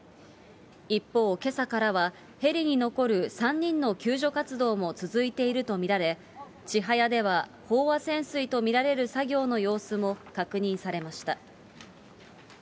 一方、けさからはヘリに残る３人の救助活動も続いていると見られ、ちはやでは飽和潜水と見られる作業の様子も確認されました。